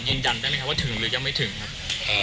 ยืนยันได้ไหมครับว่าถึงหรือยังไม่ถึงครับ